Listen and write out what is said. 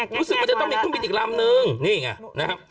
รู้สึกว่าจะต้องมีเครื่องบินอีกลำนึงนี่ไงนะครับ